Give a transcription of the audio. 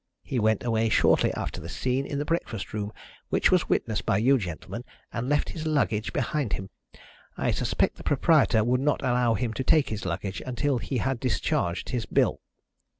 He went away shortly after the scene in the breakfast room which was witnessed by you gentlemen, and left his luggage behind him. I suspect the proprietor would not allow him to take his luggage until he had discharged his bill."